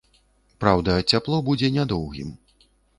Праўда, цяпло будзе нядоўгім.